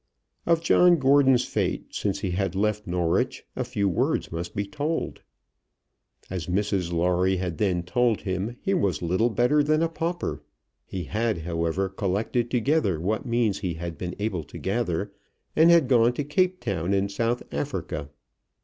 Of John Gordon's fate since he had left Norwich a few words must be told. As Mrs Lawrie had then told him, he was little better than a pauper. He had, however, collected together what means he had been able to gather, and had gone to Cape Town in South Africa.